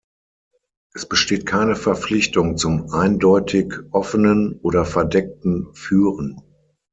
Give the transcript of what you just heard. Es besteht keine Verpflichtung zum eindeutig offenen oder verdeckten Führen.